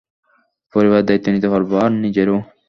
পরিবারের দায়িত্ব নিতে পারব আর নিজেরও!